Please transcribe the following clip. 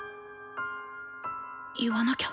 言わなきゃ。